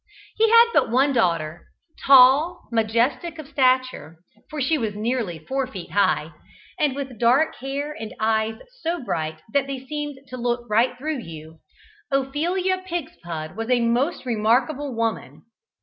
He had but one daughter. Tall, majestic of stature (for she was nearly four feet high), and with dark hair and eyes so bright that they seemed to look right through you, Ophelia Pigspud was a most remarkable woman.